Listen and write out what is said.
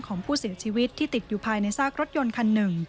ของผู้เสียชีวิตที่ติดอยู่ภายในซากรถยนต์คันหนึ่ง